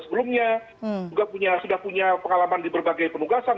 sebelumnya juga sudah punya pengalaman di berbagai penugasan